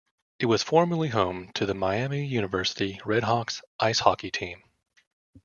It was formerly home to the Miami University RedHawks ice hockey team.